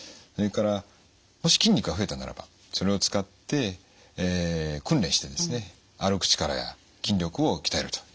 それからもし筋肉が増えたならばそれを使って訓練してですね歩く力や筋力を鍛えるということが重要です。